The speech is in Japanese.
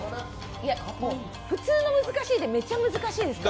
普通のむずかしいはめっちゃ難しいですから。